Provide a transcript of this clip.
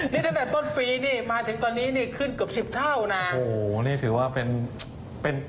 นี่ตั้งแต่ต้นฟรีมาถึงตอนนี้ขึ้นกว่า๑๐เท่านี่ถือว่าเป็น